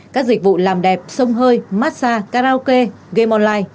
các dịch vụ làm đẹp sông hơi massage karaoke game online